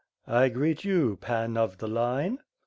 "I greet you. Pan of the Line."